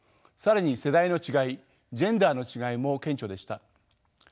更に世代の違いジェンダーの違いも顕著でした。